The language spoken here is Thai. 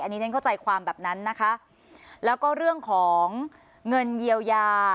อันนี้ฉันเข้าใจความแบบนั้นนะคะแล้วก็เรื่องของเงินเยียวยา